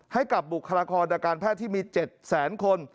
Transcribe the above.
ให้กับบุคลากรทางการแพทย์ที่มี๗แสนคน